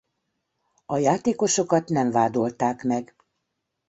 A játékosokat nem vádolták meg.